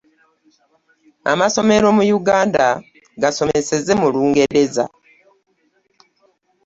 Amasomero mu Uganda gasomesenze mu lungereza.